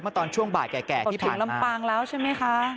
มาตอนช่วงบ่ายแก่ที่ผ่านมาต้องถึงลำปางแล้วใช่ไหมคะ